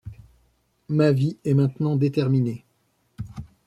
Ma vie est maintenant déterminée.